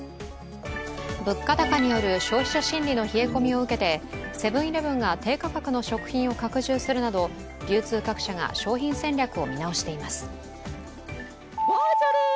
物価高による消費者心理の冷え込みを受けてセブン−イレブンが低価格の食品を拡充するなど流通各社が商品戦略を見直しています。